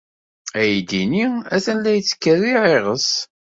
Aydi-nni atan la yettkerriɛ iɣes.